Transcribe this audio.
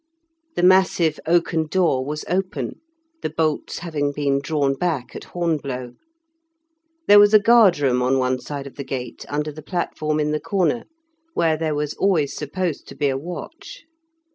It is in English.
The massive oaken door was open, the bolts having been drawn back at hornblow. There was a guard room on one side of the gate under the platform in the corner, where there was always supposed to be a watch.